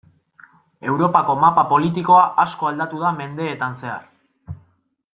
Europako mapa politikoa asko aldatu da mendeetan zehar.